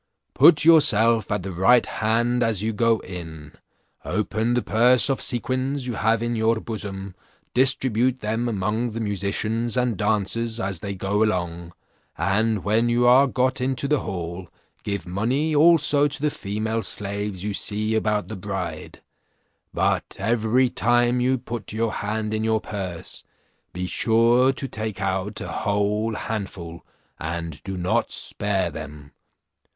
Put yourself at the right hand as you go in, open the purse of sequins you have in your bosom, distribute them among the musicians and dancers as they go along; and when you are got into the hall, give money also to the female slaves you see about the bride; but every time you put your hand in your purse, be sure to take out a whole handful, and do not spare them.